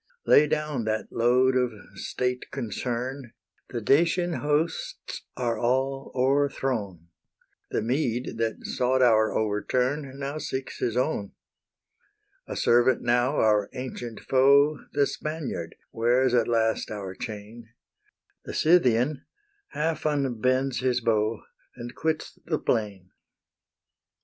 Lay down that load of state concern; The Dacian hosts are all o'erthrown; The Mede, that sought our overturn, Now seeks his own; A servant now, our ancient foe, The Spaniard, wears at last our chain; The Scythian half unbends his bow And quits the plain.